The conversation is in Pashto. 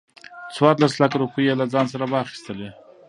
څورلس لکه روپۍ يې له ځان سره واخستې.